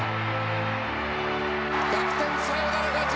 逆転サヨナラ勝ち！